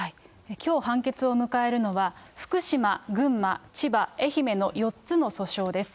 きょう判決を迎えるのは、福島、群馬、千葉、愛媛の４つの訴訟です。